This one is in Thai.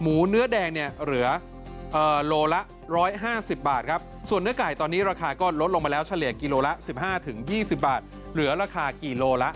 หมูเนื้อแดงเนี่ยเหลือโลละ๑๕๐บาทครับส่วนเนื้อไก่ตอนนี้ราคาก็ลดลงมาแล้วเฉลี่ยกิโลละ๑๕๒๐บาทเหลือราคากิโลละ